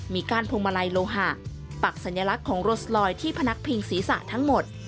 มีก้านพวงมาลัยโลหะปักสัญลักษณ์ของโรสลอยที่พนักพิงศีรษะทั้งหมด